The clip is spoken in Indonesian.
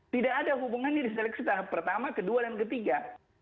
tidak ada hubungannya di seleksi tahap pertama kedua dan ketiga